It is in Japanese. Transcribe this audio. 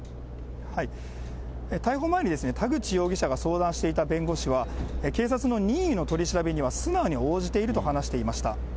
逮捕前に、田口容疑者が相談していた弁護士は、警察の任意の取り調べには素直に応じていると話していました。